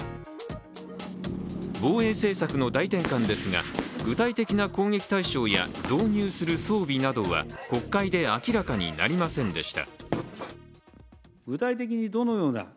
防衛政策の大転換ですが、具体的な攻撃対象や導入する装備などは国会で明らかになりませんでした。